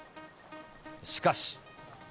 しかし。